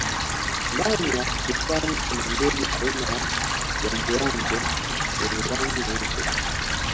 ndani ya bustani kuna ndege aina ya yangeyange wenye rangi nyeupe